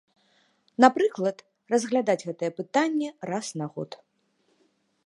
Напрыклад, разглядаць гэтае пытанне раз на год.